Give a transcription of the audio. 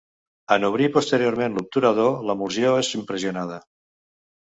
En obrir posteriorment l'obturador, l'emulsió és impressionada.